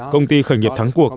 công ty khởi nghiệp thắng cuộc